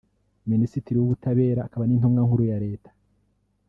Minisitiri w’ubutabera akaba n’intumwa nkuru ya Leta